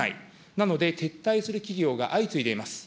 なので、撤退する企業が相次いでいます。